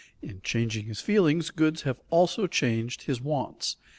In changing his feelings, goods have also changed his wants.